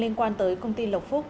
liên quan tới công ty lộc phúc